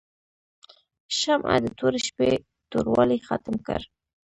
شمعه د تورې شپې توروالی ختم کړ.